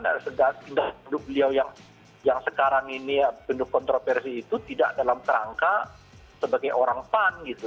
dan sedangkan untuk beliau yang sekarang ini ya bentuk kontroversi itu tidak dalam kerangka sebagai orang pan gitu